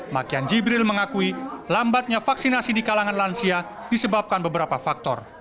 makian jibril mengakui lambatnya vaksinasi di kalangan lansia disebabkan beberapa faktor